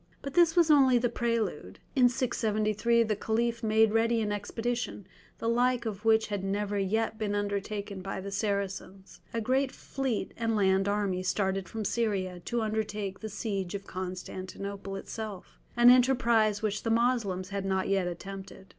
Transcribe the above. But this was only the prelude; in 673 the Caliph made ready an expedition, the like of which had never yet been undertaken by the Saracens. A great fleet and land army started from Syria to undertake the siege of Constantinople itself, an enterprise which the Moslems had not yet attempted.